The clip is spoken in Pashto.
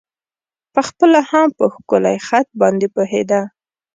په خپله هم په ښکلی خط باندې پوهېده.